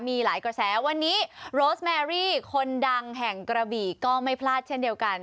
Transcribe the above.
มีหลายกระแสวันนี้โรสแมรี่คนดังแห่งกระบี่ก็ไม่พลาดเช่นเดียวกัน